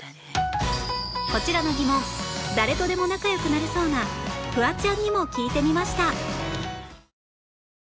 こちらの疑問誰とでも仲良くなれそうなフワちゃんにも聞いてみました